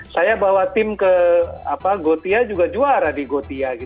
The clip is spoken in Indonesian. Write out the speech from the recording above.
saya bawa tim ke gotia juga juara di gotia